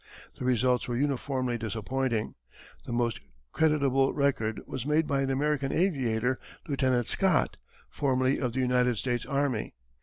The results were uniformly disappointing. The most creditable record was made by an American aviator, Lieutenant Scott, formerly of the United States Army.